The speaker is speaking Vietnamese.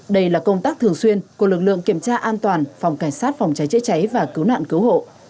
đây là công tác thường xuyên của lực lượng kiểm tra an toàn phòng cảnh sát phòng cháy chữa cháy và cứu nạn cứu hộ